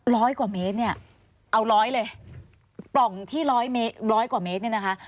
ร้อยกว่าเมตรเนี่ยเอาร้อยเลยปล่องที่ร้อยเมตรร้อยกว่าเมตรเนี่ยนะคะ